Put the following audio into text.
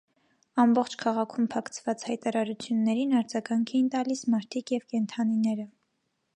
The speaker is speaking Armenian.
Ամբողջ քաղաքում փակցված հայտարարություններին արձագանք էին տալիս մարդիկ և կենդանիները։